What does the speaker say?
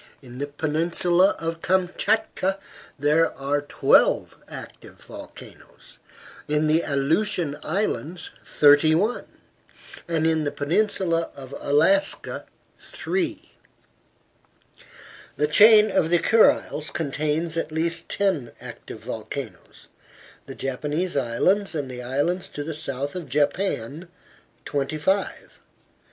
In the peninsula of Kamchatka there are twelve active volcanoes, in the Aleutian Islands thirty one, and in the peninsula of Alaska three. The chain of the Kuriles contains at least ten active volcanoes; the Japanese Islands and the islands to the south of Japan twenty five.